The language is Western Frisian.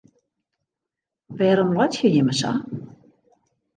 Wêrom laitsje jimme sa?